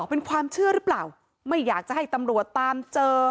เป็นความเชื่อหรือเปล่าไม่อยากจะให้ตำรวจตามเจอ